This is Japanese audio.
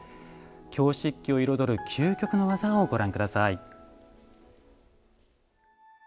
京漆器を彩る究極の技をご覧下さい。